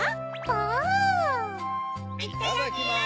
いただきます！